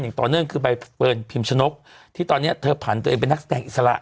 อย่างต่อเนื่องคือใบเฟิร์นพิมชนกที่ตอนนี้เธอผันตัวเองเป็นนักแสดงอิสระ